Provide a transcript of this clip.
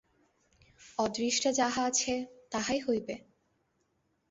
অদৃষ্টে যাহা আছে, তাহাই হইবে।